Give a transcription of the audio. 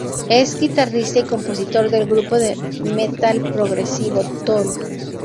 Es guitarrista y compositor del grupo de metal progresivo Tool.